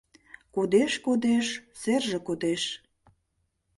Кодеш-кодеш, серже кодеш.